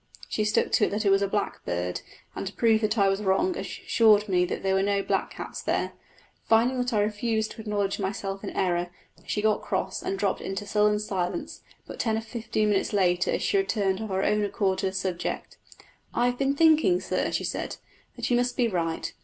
She stuck to it that it was a blackbird, and to prove that I was wrong assured me that there were no blackcaps there. Finding that I refused to acknowledge myself in error, she got cross and dropped into sullen silence; but ten or fifteen minutes later she returned of her own accord to the subject. "I've been thinking, sir," she said, "that you must be right.